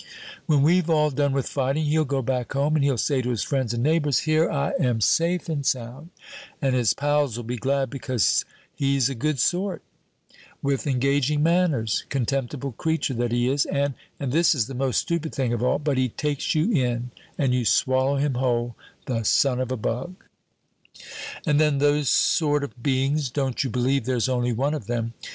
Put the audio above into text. When we've all done with fighting, he'll go back home and he'll say to his friends and neighbors, 'Here I am safe and sound,' and his pals'll be glad, because be's a good sort, with engaging manners, contemptible creature that he is, and and this is the most stupid thing of all but he takes you in and you swallow him whole, the son of a bug. "And then, those sort of beings, don't you believe there's only one of them.